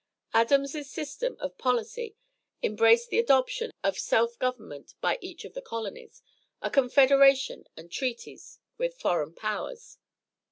Adams' system of policy embraced the adoption of self government by each of the colonies, a confederation, and treaties with foreign powers.